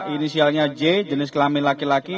inisialnya j jenis kelamin laki laki